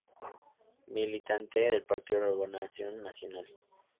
Militante del partido Renovación Nacional.